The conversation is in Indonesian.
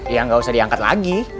ya nggak usah diangkat lagi